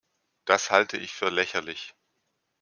Das halte ich für lächerlich.